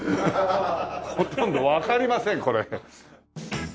ほとんどわかりませんこれ。